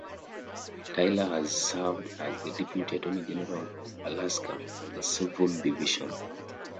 Taylor has served as the deputy attorney general of Alaska for the civil division.